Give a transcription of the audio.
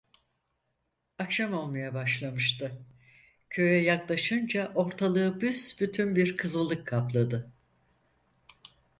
Akşam olmaya başlamıştı. Köye yaklaşınca ortalığı büsbütün bir kızıllık kapladı.